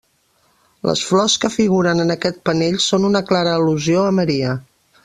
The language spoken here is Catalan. Les flors que figuren en aquest panell són una clara al·lusió a Maria.